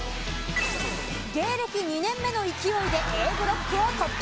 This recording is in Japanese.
芸歴２年目の勢いでＡブロックを突破。